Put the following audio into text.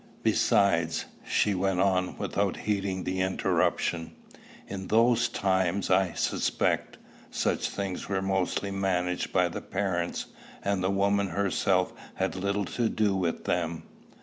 "Besides," she went on without heeding the interruption, "in those times, I suspect, such things were mostly managed by the parents, and the woman herself had little to do with them."